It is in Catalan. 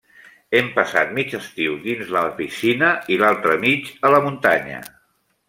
Hem passat mig estiu dins la piscina i l'altre mig a la muntanya.